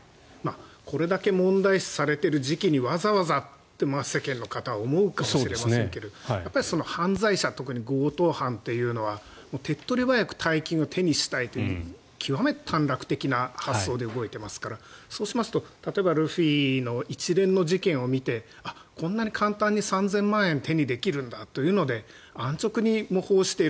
これだけ問題視されている時期にわざわざと世間の方は思うかもしれませんが犯罪者、特に強盗犯というのは手っ取り早く大金を手にしたいという極めて短絡的な発想で動いていますからそうしますと例えばルフィの一連の事件を見てこんなに簡単に３０００万円手にできるんだというので安直に模倣している。